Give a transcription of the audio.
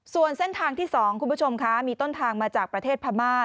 ส่วนเส้นทางที่๒คุณผู้ชมคะมีต้นทางมาจากประเทศพม่า